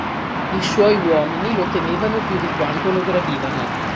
I suoi uomini lo temevano più di quanto lo gradivano.